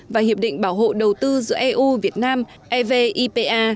và hiệp định bảo hộ đầu tư giữa eu việt nam evipa